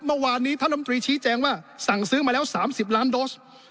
เมื่อวานนี้ท่านลำตรีชี้แจงว่าสั่งซื้อมาแล้ว๓๐ล้านโดส